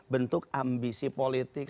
bentuk ambisi politik